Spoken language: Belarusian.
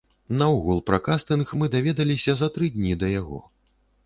Наогул пра кастынг мы даведаліся за тры дні да яго.